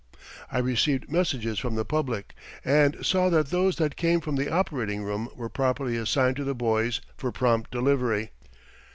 I received messages from the public and saw that those that came from the operating room were properly assigned to the boys for prompt delivery.